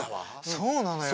そうなのよ。